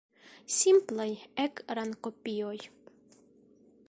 Simplaj ekrankopioj.